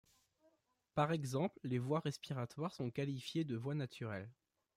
Par exemple, les voies respiratoires sont qualifiées de voies naturelles.